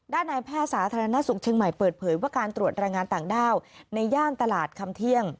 ด้านในแพทย์สาธารณสุขเชียงใหม่เปิดเผยว่าการตรวจแรงงานต่างด้าวในย่านตลาดคำเที่ยง